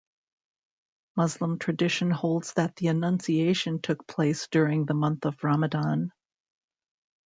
Muslim tradition holds that the Annunciation took place during the month of Ramadan.